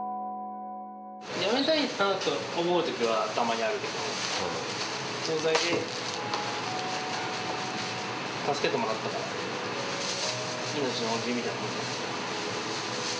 辞めたいなと思うときはたまにあるけど、総菜で助けてもらったから、命の恩人みたいなもん。